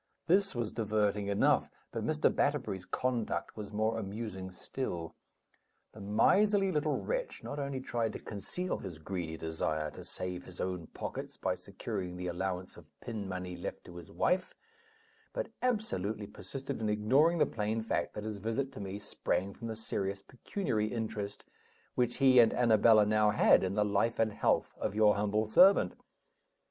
This was diverting enough; but Mr. Batterbury's conduct was more amusing still. The miserly little wretch not only tried to conceal his greedy desire to save his own pockets by securing the allowance of pin money left to his wife, but absolutely persisted in ignoring the plain fact that his visit to me sprang from the serious pecuniary interest which he and Annabella now had in the life and health of your humble servant.